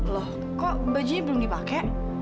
loh kok bajunya belum dipakai